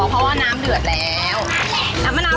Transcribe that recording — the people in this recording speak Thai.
น้ำมะนาวใส่เท่าไหร่คะ